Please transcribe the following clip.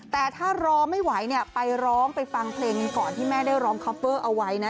แต่ถ้ารอไม่ไหวเนี่ยไปร้องไปฟังเพลงก่อนที่แม่ได้ร้องคอปเวอร์เอาไว้นะ